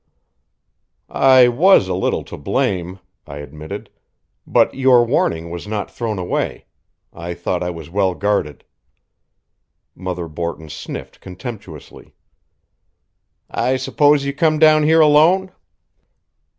"I was a little to blame," I admitted, "but your warning was not thrown away. I thought I was well guarded." Mother Borton sniffed contemptuously. "I s'pose you come down here alone?"